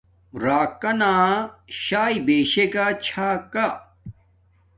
راکنا شاݵ بشگا چھا کا